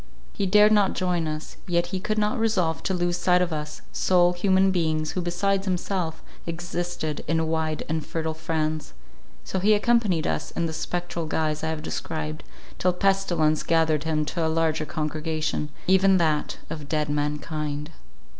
He dared not join us, yet he could not resolve to lose sight of us, sole human beings who besides himself existed in wide and fertile France; so he accompanied us in the spectral guise I have described, till pestilence gathered him to a larger congregation, even that of Dead Mankind.